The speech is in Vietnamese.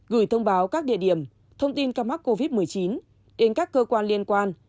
gửi thông báo các địa điểm thông tin ca mắc covid một mươi chín đến các cơ quan liên quan